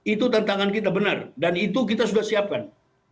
itu tantangan kita benar dan itu kita sudah siapkan